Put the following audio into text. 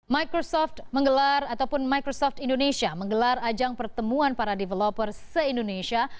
microsoft menggelar ataupun microsoft indonesia menggelar ajang pertemuan para developer se indonesia